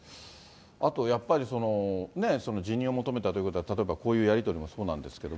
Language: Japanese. あとやっぱり、その辞任を求めたということは、例えばこういうやり取りもそうなんですけど。